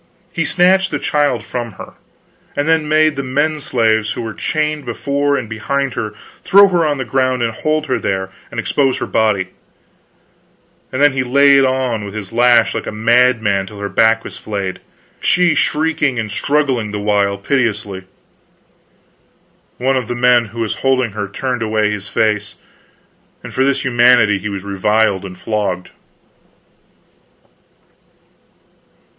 He snatched the child from her, and then made the men slaves who were chained before and behind her throw her on the ground and hold her there and expose her body; and then he laid on with his lash like a madman till her back was flayed, she shrieking and struggling the while piteously. One of the men who was holding her turned away his face, and for this humanity he was reviled and flogged.